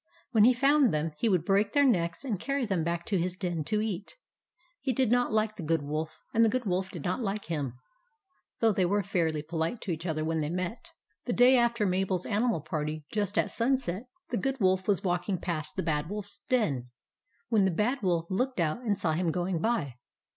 When he found them, he would break their necks and carry them back to his den to eat. He did not like the Good Wolf and the Good Wolf did not like him ; though they were fairly polite to each other when they met. TRICKS OF THE BAD WOLF 133 The day after Mabel's animal party, just at sunset, the Good Wolf was walking past the Bad Wolfs den, when the Bad Wolf looked out and saw him going by.